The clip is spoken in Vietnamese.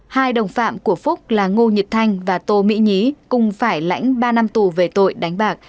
hai đồng phạm của phúc là ngô nhật thanh và tô mỹ nhí cùng phải lãnh ba năm tù về tội đánh bạc